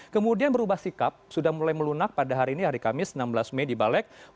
kemudian berubah sikap sudah mulai melunak pada hari ini hari kamis enam belas mei di balik